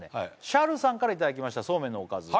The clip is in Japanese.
しゃるさんからいただきましたそうめんのおかず